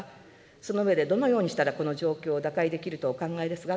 その上でどのようにしたらこの状況を打開できるとお考えですか。